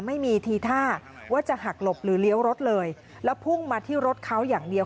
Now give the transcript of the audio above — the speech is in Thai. ไม่มีทีท่าว่าจะหักหลบหรือเลี้ยวรถเลยแล้วพุ่งมาที่รถเขาอย่างเดียว